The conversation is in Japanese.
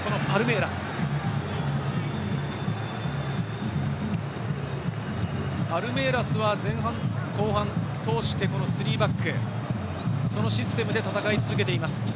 パルメイラスは前半、後半通して３バック、そのシステムで戦い続けています。